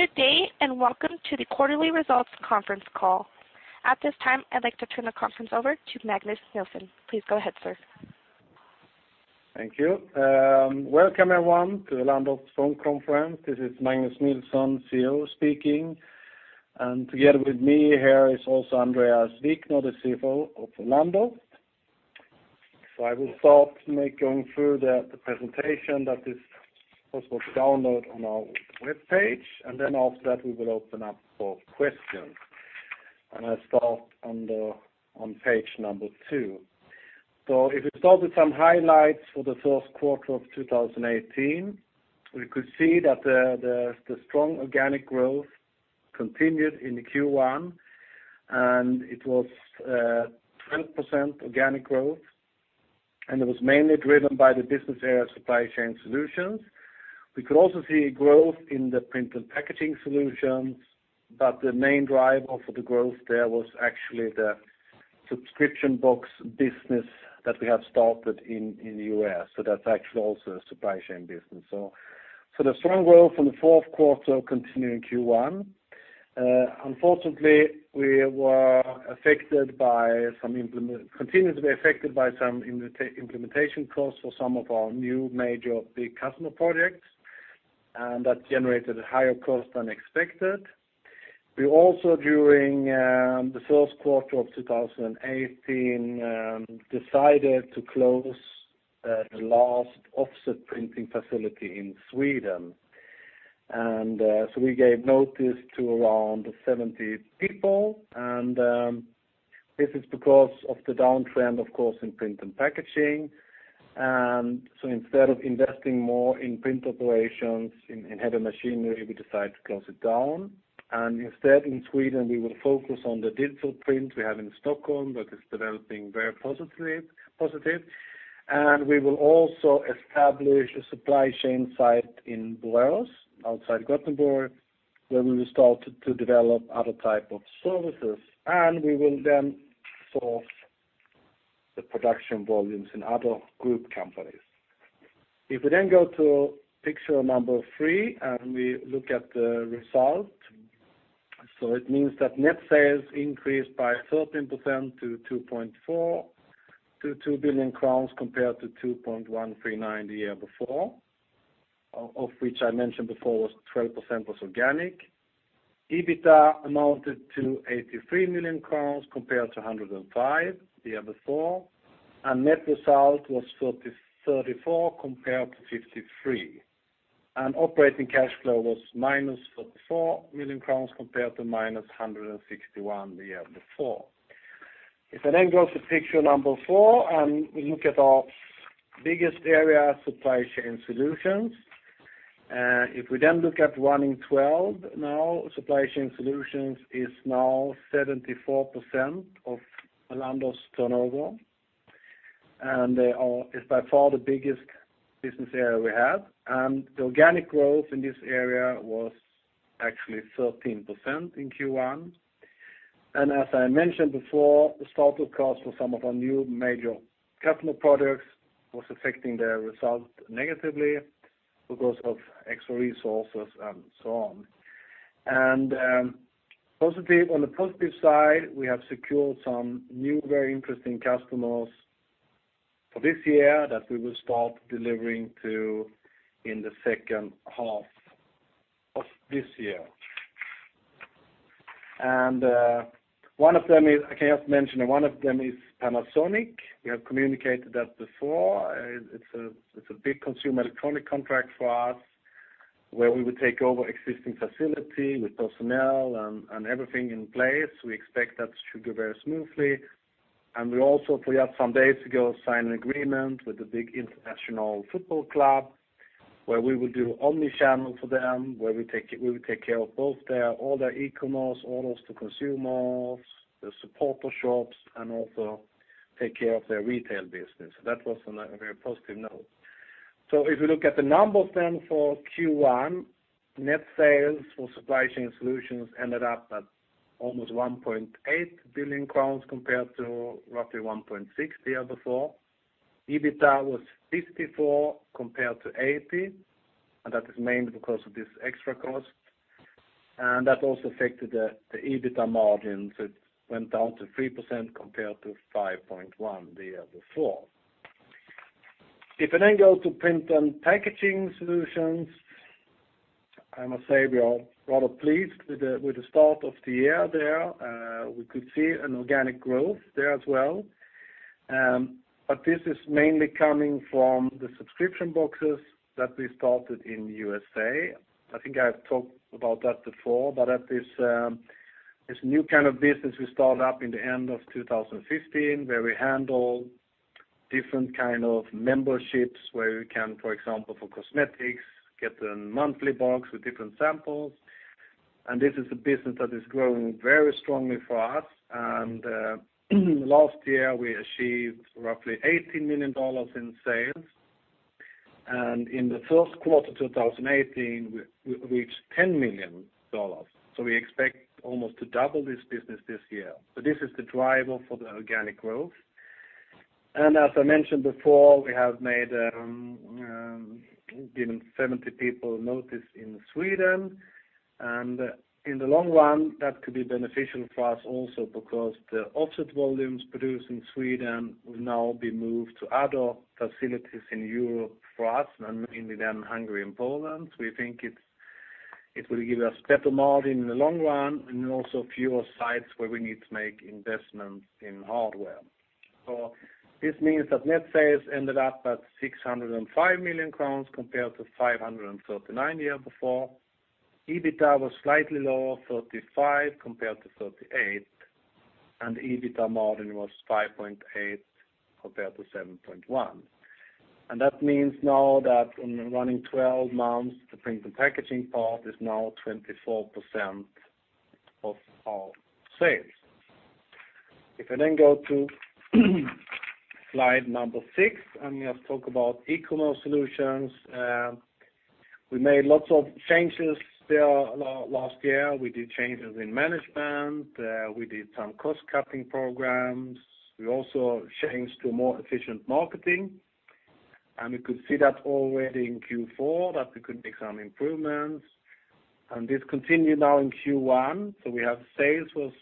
Good day, and welcome to the quarterly results conference call. At this time, I'd like to turn the conference over to Magnus Nilsson. Please go ahead, sir. Thank you. Welcome, everyone, to the Elanders phone conference. This is Magnus Nilsson, CEO, speaking, and together with me here is also Andreas Wikner, the CFO of Elanders. I will start by going through the presentation that is also downloadable on our webpage, and then after that, we will open up for questions. I start on page number two. So if you start with some highlights for the first quarter of 2018, we could see that the strong organic growth continued in the Q1, and it was 20% organic growth, and it was mainly driven by the business area Supply Chain Solutions. We could also see growth in the Print & Packaging Solutions, but the main driver for the growth there was actually the subscription box business that we have started in the U.S., so that's actually also a supply chain business. So the strong growth from the fourth quarter continued in Q1. Unfortunately, we continued to be affected by some implementation costs for some of our new major big customer projects, and that generated a higher cost than expected. We also, during the first quarter of 2018, decided to close the last offset printing facility in Sweden. And, so we gave notice to around 70 people, and this is because of the downtrend, of course, in Print & Packaging. So instead of investing more in print operations, in heavy machinery, we decided to close it down. Instead, in Sweden, we will focus on the digital print we have in Stockholm, that is developing very positively. And we will also establish a supply chain site in Borås, outside Gothenburg, where we will start to develop other type of services, and we will then source the production volumes in other group companies. If we then go to picture number three, and we look at the result, so it means that net sales increased by 13% to 2.4 billion crowns, compared to 2.139 billion the year before, of which I mentioned before, 12% was organic. EBITDA amounted to 83 million crowns compared to 105 million the year before, and net result was 33-34 compared to 53. Operating cash flow was -44 million crowns compared to minus 161 million the year before. If I then go to picture number four, and we look at our biggest area, Supply Chain Solutions, if we then look at running twelve, now, Supply Chain Solutions is now 74% of Elanders AB's turnover, and is by far the biggest business area we have. And the organic growth in this area was actually 13% in Q1. And as I mentioned before, the startup cost for some of our new major customer products was affecting their result negatively because of extra resources and so on. On the positive side, we have secured some new, very interesting customers for this year that we will start delivering to in the second half of this year. One of them is, I can just mention, one of them is Panasonic. We have communicated that before. It's a big consumer electronic contract for us, where we would take over existing facility with personnel and everything in place. We expect that should go very smoothly. And we also, we have some days ago, signed an agreement with the big international football club, where we will do omni-channel for them, where we take care, we will take care of both their, all their e-commerce orders to consumers, the supporter shops, and also take care of their retail business. That was on a very positive note. So if you look at the numbers then for Q1, net sales for Supply Chain Solutions ended up at almost 1.8 billion crowns compared to roughly 1.6 billion the year before. EBITDA was 54 compared to 80, and that is mainly because of this extra cost, and that also affected the EBITDA margins. It went down to 3% compared to 5.1% the year before. If I then go to Print & Packaging Solutions, I must say we are rather pleased with the start of the year there. We could see an organic growth there as well. But this is mainly coming from the subscription boxes that we started in the USA. I think I've talked about that before, but that is this new kind of business we start up in the end of 2015, where we handle different kind of memberships, where we can, for example, for cosmetics, get a monthly box with different samples. This is a business that is growing very strongly for us, and last year, we achieved roughly $80 million in sales. And in the first quarter 2018, we reached $10 million. So we expect almost to double this business this year. So this is the driver for the organic growth. And as I mentioned before, we have given 70 people notice in Sweden, and in the long run, that could be beneficial for us also because the offset volumes produced in Sweden will now be moved to other facilities in Europe for us, and mainly then Hungary and Poland. We think it will give us better margin in the long run and also fewer sites where we need to make investments in hardware. So this means that net sales ended up at 605 million crowns compared to 539 million the year before. EBITDA was slightly lower, 35 million compared to 38 million, and EBITDA margin was 5.8% compared to 7.1%. And that means now that in the running twelve months, the print and packaging part is now 24% of our sales. If I then go to slide number six, and we have talk about E-Commerce Solutions. We made lots of changes there last year. We did changes in management, we did some cost-cutting programs. We also changed to more efficient marketing, and we could see that already in Q4, that we could make some improvements. And this continued now in Q1, so we have sales was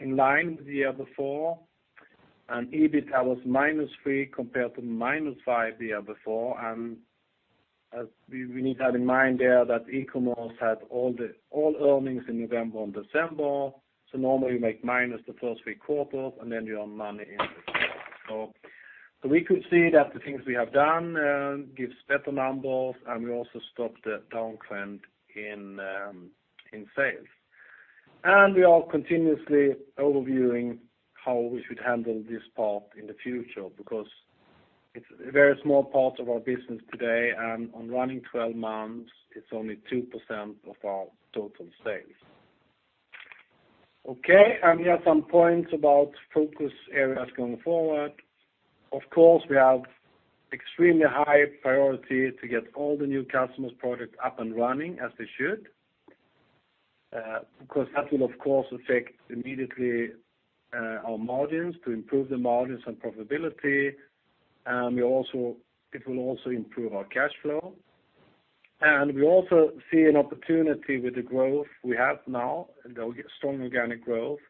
in line with the year before, and EBITDA was -3% compared to -5% the year before. And, we need to have in mind there that e-commerce had all earnings in November and December, so normally you make minus the first three quarters, and then you earn money in the fourth. So we could see that the things we have done gives better numbers, and we also stopped the downtrend in sales. And we are continuously overviewing how we should handle this part in the future, because it's a very small part of our business today, and on running 12 months, it's only 2% of our total sales. Okay, and here are some points about focus areas going forward. Of course, we have extremely high priority to get all the new customers' products up and running as they should, because that will, of course, affect immediately our margins, to improve the margins and profitability, and it will also improve our cash flow. And we also see an opportunity with the growth we have now, the strong organic growth,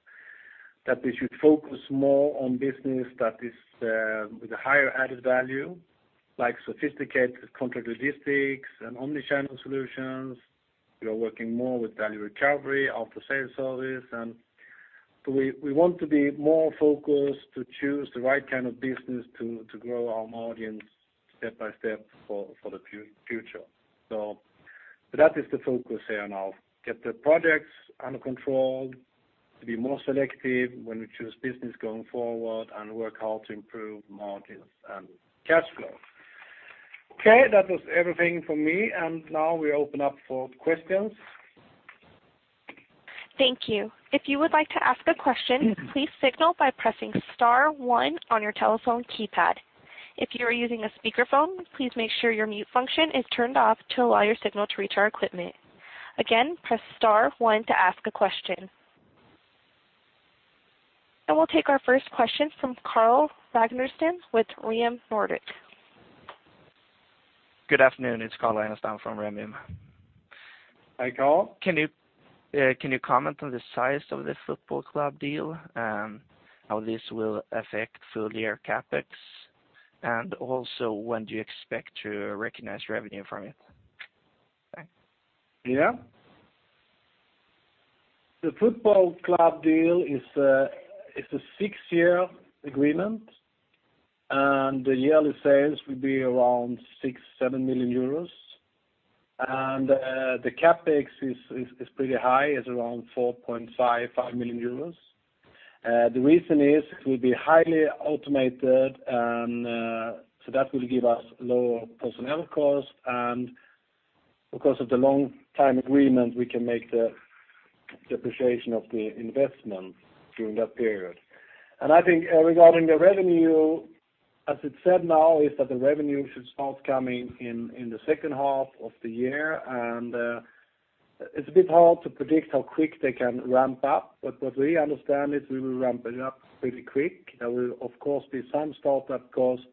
that we should focus more on business that is with a higher added value, like sophisticated contract logistics and omni-channel solutions. We are working more with value recovery, after-sales service, and so we want to be more focused to choose the right kind of business to grow our margins step by step for the future. So that is the focus here now: get the projects under control, to be more selective when we choose business going forward, and work how to improve margins and cash flow. Okay, that was everything from me, and now we open up for questions. Thank you. If you would like to ask a question, please signal by pressing star one on your telephone keypad. If you are using a speakerphone, please make sure your mute function is turned off to allow your signal to reach our equipment. Again, press star one to ask a question. We'll take our first question from Carl Ragnerstam with Remium Nordic. Good afternoon, it's Carl Ragnerstam from Remium. Hi, Carl. Can you, can you comment on the size of the football club deal, and how this will affect full year CapEx? And also, when do you expect to recognize revenue from it? Thanks. Yeah. The football club deal is a six-year agreement, and the yearly sales will be around 6 million-7 million euros. The CapEx is pretty high, it's around 4.5 million-5 million euros. The reason is it will be highly automated, and so that will give us lower personnel costs, and because of the long time agreement, we can make the depreciation of the investment during that period. I think, regarding the revenue, as it's said now, is that the revenue should start coming in in the second half of the year. It's a bit hard to predict how quick they can ramp up, but what we understand is we will ramp it up pretty quick. There will, of course, be some startup costs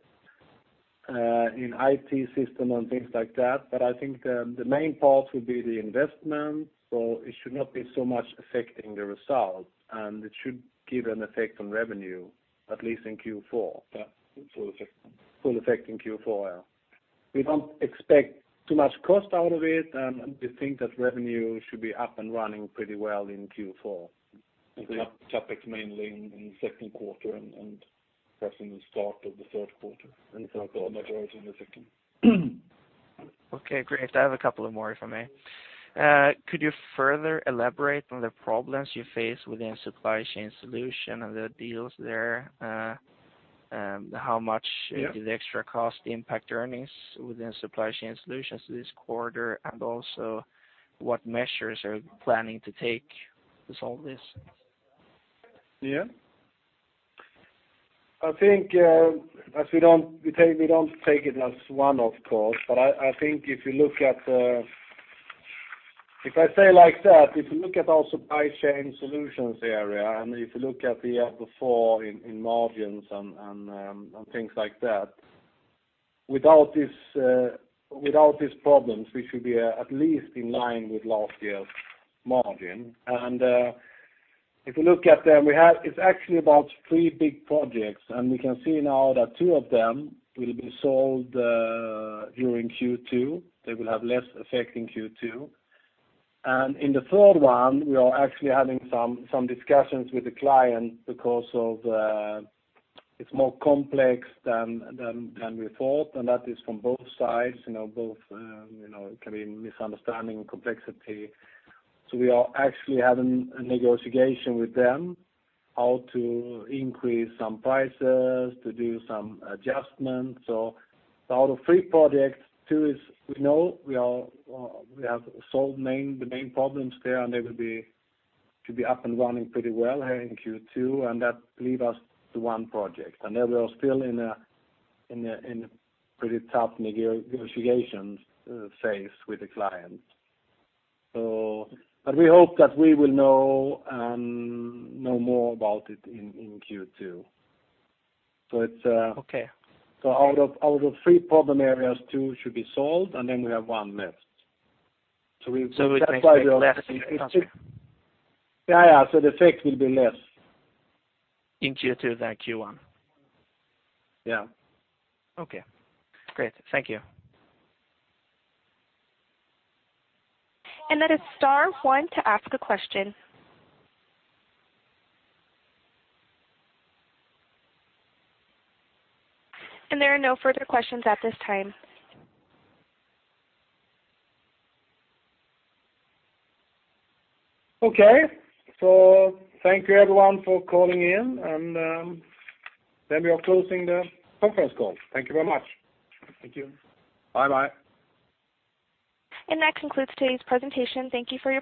in IT system and things like that, but I think the main part will be the investment, so it should not be so much affecting the results, and it should give an effect on revenue, at least in Q4. Yeah, full effect, full effect in Q4, yeah. We don't expect too much cost out of it, and we think that revenue should be up and running pretty well in Q4. And CapEx mainly in the second quarter and perhaps in the start of the third quarter. And so the majority in the second. Okay, great. I have a couple of more, if I may. Could you further elaborate on the problems you face within supply chain solution and the deals there? How much. Yeah Did the extra cost impact earnings within Supply Chain Solutions this quarter? And also, what measures are you planning to take to solve this? Yeah. I think, as we don't take it as one-off cost, but I think if you look at. If I say like that, if you look at our Supply Chain Solutions area, and if you look at the year before in margins and things like that, without these problems, we should be at least in line with last year's margin. And if you look at them, we have, it's actually about three big projects, and we can see now that two of them will be solved during Q2. They will have less effect in Q2. And in the third one, we are actually having some discussions with the client because it's more complex than we thought, and that is from both sides. You know, both, you know, can be misunderstanding and complexity. So we are actually having a negotiation with them, how to increase some prices, to do some adjustments. So out of three projects, two is we know we have solved main, the main problems there, and they will be, should be up and running pretty well here in Q2, and that leave us to one project. And then we are still in a pretty tough negotiation phase with the client. So but we hope that we will know more about it in Q2. So it's Okay. So out of three problem areas, two should be solved, and then we have one left. So we- It takes less Yeah, yeah, so the effect will be less. In Q2 than Q1? Yeah. Okay. Great. Thank you. Then it's star one to ask a question. There are no further questions at this time. Okay. So thank you everyone for calling in, and, then we are closing the conference call. Thank you very much. Thank you. Bye-bye. That concludes today's presentation. Thank you for your participation.